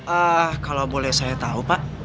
ah kalau boleh saya tahu pak